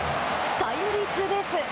タイムリーツーベース。